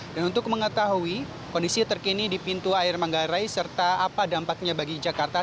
dan untuk mengetahui kondisi terkini di pintu air manggarai serta apa dampaknya bagi jakarta